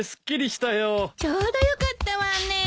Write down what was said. ちょうどよかったわねえ